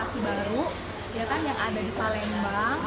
kenapa kita nggak inovasi baru yang ada di palembang